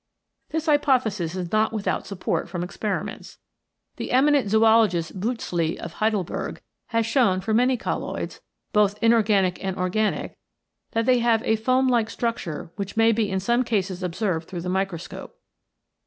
This hypothesis is not without support from experiments. The eminent zoologist Biitschli, of Heidelberg, has shown for many colloids, both inorganic and organic, that they have a foam like structure which may be in some cases observed through the microscope.